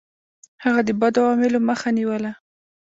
هغه د بدو عواملو مخه نیوله.